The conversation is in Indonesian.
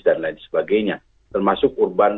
dan lain sebagainya termasuk urban